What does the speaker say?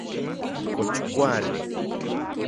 ¿Kox kuali...?